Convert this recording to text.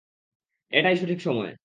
এটাই সঠিক সময়!